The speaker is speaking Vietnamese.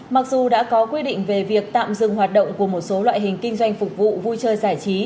mặc dù đã có quy định về việc tạm dừng hoạt động của một số loại hình kinh doanh phục vụ vui chơi giải trí